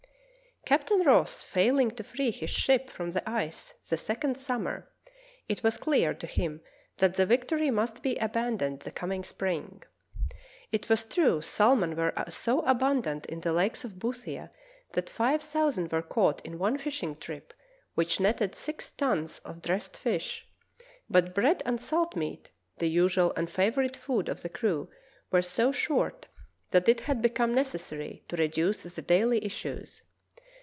Captain Ross failing to free his ship from the ice the second summer, it was clear to him that the Victory must be abandoned the coming spring. It was true salmon were so abundant in the lakes of Boothia that five thousand were caught in one fishing trip, which netted six tons of dressed fish, but bread and salt meat, the usual and favorite food of the crew, were so short that it had become necessary to reduce the daily issues.